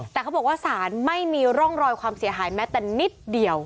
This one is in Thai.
แต่เขาบอกว่าสารไม่มีร่องรอยความเสียหายแม้แต่นิดเดียว